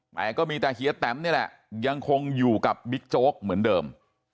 แต่ก็มีแต่เฮียแตมนี่แหละยังคงอยู่กับบิ๊กโจ๊กเหมือนเดิม